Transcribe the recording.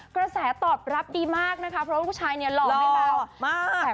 กระแสตอบรับดีมากเพราะลูกชายหล่อไม่เบา